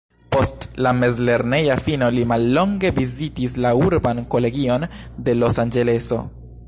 Post la mezlerneja fino li mallonge vizitis la urban kolegion de Los-Anĝeleso.